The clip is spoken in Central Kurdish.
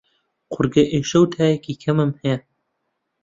قوڕگ ئێشە و تایەکی کەمم هەیە.